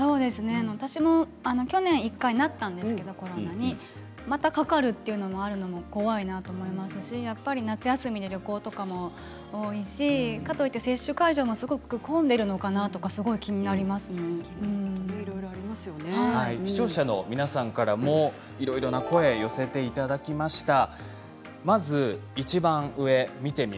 私も去年１回なったんですけれどコロナにまたかかるというのも怖いなと思いますしやっぱり夏休み旅行とかも多いしかといって接種会場もすごく混んでいるのかなと視聴者の皆さんからもいろいろな声寄せていただきました。